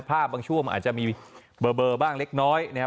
ภาพบางชั่วมันอาจจะมีเบอร์บ้างเล็กน้อยนะฮะ